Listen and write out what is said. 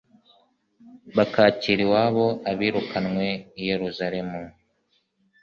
bakakira iwabo abirukanywe i yeruzalemu